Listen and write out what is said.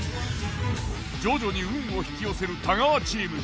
徐々に運を引き寄せる太川チーム。